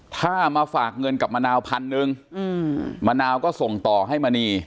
ถ้ามาฝากเงินกับมะนาวพันนึงมะนาวก็ส่งต่อให้มณี